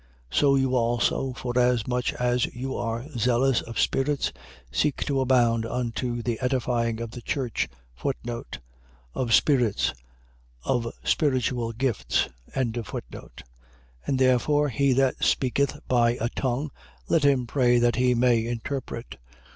14:12. So you also, forasmuch as you are zealous of spirits, seek to abound unto the edifying of the church. Of spirits. . .Of spiritual gifts. 14:13. And therefore he that speaketh by a tongue, let him pray that he may interpret.